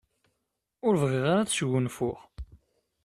Ur bɣiɣ ara ad sgunfuɣ.